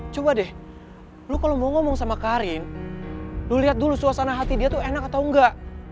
coba deh lu kalau mau ngomong sama karin lu lihat dulu suasana hati dia tuh enak atau enggak